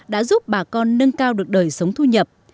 đã giúp bà con nâng cao được đời sống thu nhập